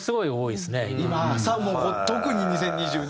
今特に２０２２年。